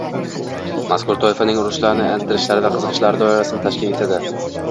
— mazkur toifaning urinishlari, intilishlari va qiziqishlari doirasini tashkil etadi.